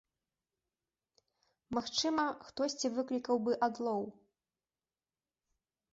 Магчыма, хтосьці выклікаў бы адлоў.